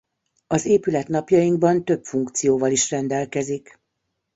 Az épület napjainkban több funkcióval is rendelkezik.